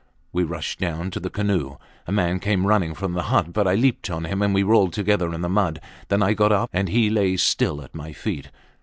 We rushed down to the canoe; a man came running from the hut, but I leaped on him, and we rolled together in the mud. Then I got up, and he lay still at my feet.